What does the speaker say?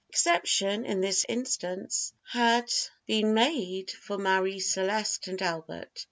Exception, in this instance, had been made for Marie Celeste and Albert.